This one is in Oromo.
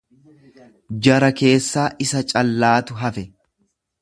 Jara keessaa isa callaatu hafe.